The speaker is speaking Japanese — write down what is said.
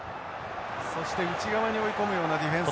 そして内側に追い込むようなディフェンス。